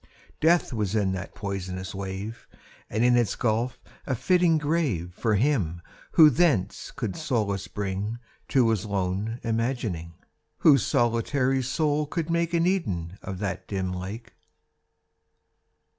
Death was in that poisonous wave, And in its gulf a fitting grave For him who thence could solace bring To his lone imagining— Whose solitary soul could make An Eden of that dim lake.